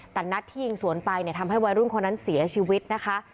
แต่นัดที่ยิงสวนไปเนี่ยทำให้วัยรุ่นคนนั้นเสียชีวิตนะคะ